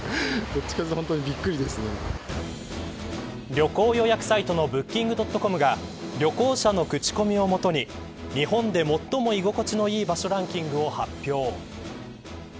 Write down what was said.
旅行予約サイトのブッキング・ドットコムが旅行者の口コミをもとに日本で最も居心地のいい場所ランキングを発表。